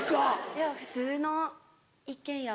いや普通の一軒家。